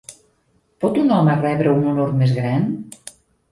Pot un home rebre un honor més gran?